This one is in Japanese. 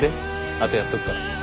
あとやっとくから。